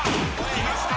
きました